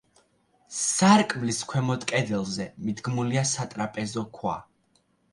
სარკმლის ქვემოთ კედელზე მიდგმულია სატრაპეზო ქვა.